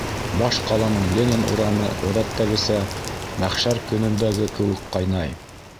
...Баш ҡаланың Ленин урамы, ғәҙәттәгесә, мәхшәр көнөндәге кеүек ҡайнай.